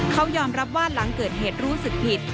เขายอมรับว่าหลังเกิดเหตุรู้สึกผิด